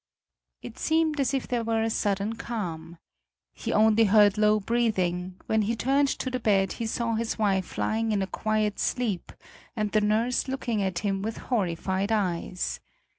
It seemed as if there were a sudden calm. He only heard low breathing; when he turned to the bed, he saw his wife lying in a quiet sleep and the nurse looking at him with horrified eyes.